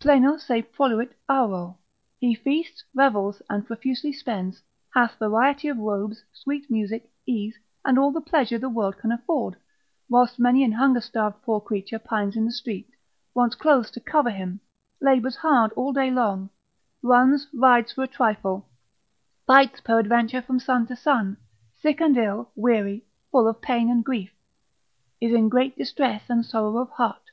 Pleno se proluit auro: he feasts, revels, and profusely spends, hath variety of robes, sweet music, ease, and all the pleasure the world can afford, whilst many an hunger starved poor creature pines in the street, wants clothes to cover him, labours hard all day long, runs, rides for a trifle, fights peradventure from sun to sun, sick and ill, weary, full of pain and grief, is in great distress and sorrow of heart.